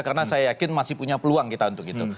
karena saya yakin masih punya peluang kita untuk itu